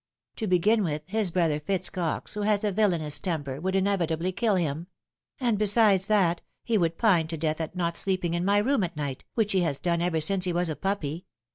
To begin with, his brother Eitz Cox, who has a villainous temper, would inevitably kill him ; and besides that, he would pine to death at not sleeping in my room at night, which he has done ever since he was a puppy.